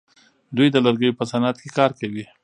دوی د لرګیو په صنعت کې کار کوي.